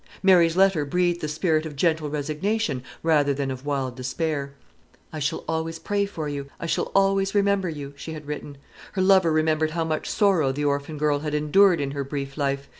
Mary's letter breathed the spirit of gentle resignation rather than of wild despair. "I shall always pray for you; I shall always remember you," she had written. Her lover remembered how much sorrow the orphan girl had endured in her brief life.